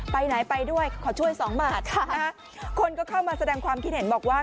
ไปไหนไปด้วยขอช่วยสองบาทคนก็เข้ามาแสดงความคิดเห็นบอกว่า